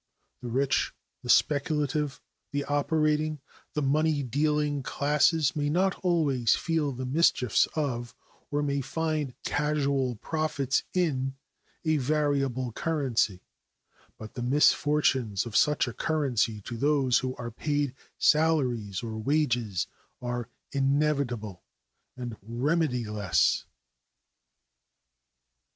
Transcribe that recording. The rich, the speculative, the operating, the money dealing classes may not always feel the mischiefs of, or may find casual profits in, a variable currency, but the misfortunes of such a currency to those who are paid salaries or wages are inevitable and remediless.